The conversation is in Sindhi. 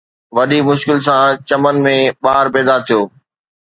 وڏي مشڪل سان چمن ۾ ٻار پيدا ٿيو